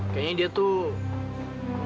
kayaknya dia tuh